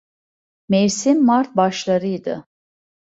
Mevsim mart başlarıydı.